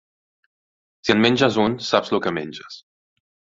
Si en menges un saps lo que menges.